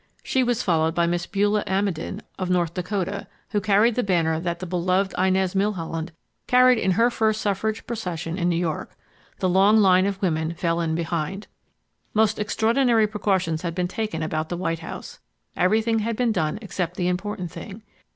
She was followed by Miss Beulah Amidon of North Dakota, who carried the banner that the beloved Inez Milholland carried in her first suffrage procession in New York. The long line of women fell in behind. Most extraordinary precautions had been taken about the White House. Everything had been done except the important thing.